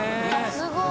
すごい！